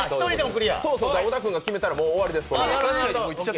小田君が決めたら終わりです。